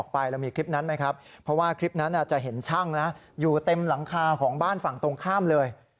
เพราะว่าคลิปนั้นจะเห็นช่างอยู่เต็มหลังคาของบ้านฝั่งตรงข้ามเลย